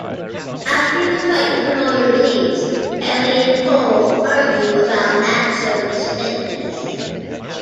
After the fight promoter leaves, Kelly and Pole argue about Maxo's fitness.